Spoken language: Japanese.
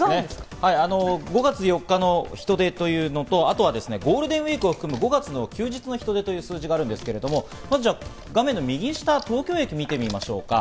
５月４日の人出というのと、あとはゴールデンウイークを含む５月の休日の人出というのがあるんですが、画面右下、東京駅を見ましょう。